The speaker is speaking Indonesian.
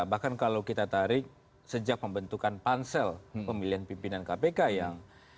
bahkan kalau kita tarik sejak membentukan pansel pemilihan pimpinan kpk yang